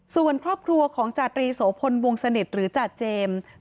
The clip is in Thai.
ส่วนครอบครัวของจาตรีโสพลวงสนิทหรือจ่าเจมส์